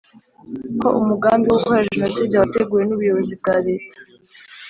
ko umugambi wo gukora Jenoside wateguwe n ubuyobozi bwa Leta